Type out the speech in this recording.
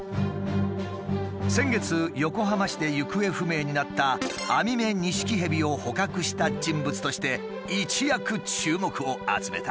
先月横浜市で行方不明になったアミメニシキヘビを捕獲した人物として一躍注目を集めた。